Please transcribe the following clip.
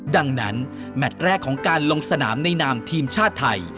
ดังนั้นแมทแรกของการลงสนามในนามทีมชาติไทย